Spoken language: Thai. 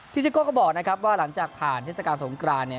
พี่ซิโก่ก็บอกว่าหลังจากผ่านเทศกาลสงคราน